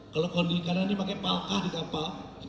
kalau kondisi karena ini pakai palkah di kapal